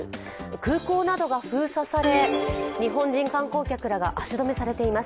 空港などが封鎖され日本人観光客らが足止めされています。